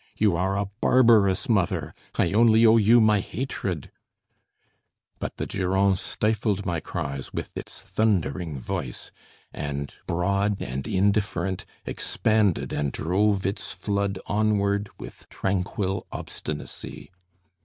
You are a barbarous mother, I only owe you my hatred " But the Durance stifled my cries with its thundering voice; and, broad and indifferent, expanded and drove its flood onward with tranquil obstinacy.